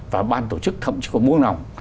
và ban tổ chức thậm chí cũng muốn nồng